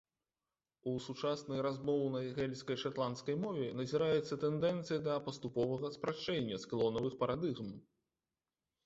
У сучаснай размоўнай гэльскай шатландскай мове назіраецца тэндэнцыя да паступовага спрашчэння склонавых парадыгм.